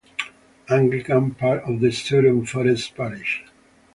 Anglican: Part of the Sutton Forest parish.